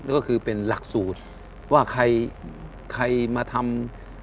ก็คือเป็นหลักสูตรว่าใครมาทำ